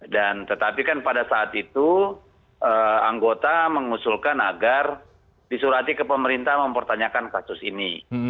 dan tetapi kan pada saat itu anggota mengusulkan agar disurati ke pemerintah mempertanyakan kasus ini